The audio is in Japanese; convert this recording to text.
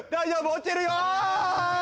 落ちるよあ！